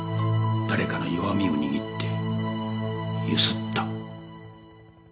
誰かの弱みを握ってゆすった。